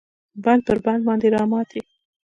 بند پر بند باندې راماتی